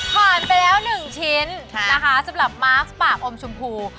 ผ่านไปแล้ว๑ชิ้นนะคะสำหรับมาร์คปากอมชมพู